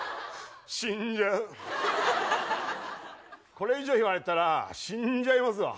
これ以上言われたら死んじゃいますわ。